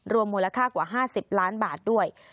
มูลค่ากว่า๕๐ล้านบาทด้วย